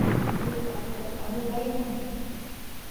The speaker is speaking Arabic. على أي حال ، هذا الأمر لا يعنيك.